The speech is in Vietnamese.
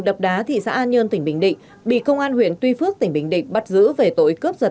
đập đá thị xã an nhơn tỉnh bình định bị công an huyện tuy phước tỉnh bình định bắt giữ về tội cướp giật